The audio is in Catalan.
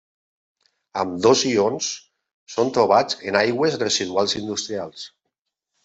Ambdós ions són trobats en aigües residuals industrials.